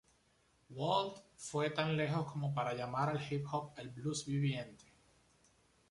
Wald fue tan lejos como para llamar al hip hop "el blues viviente".